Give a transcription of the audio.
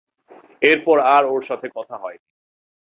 এরপর আর ওর সাথে কথা হয়নি।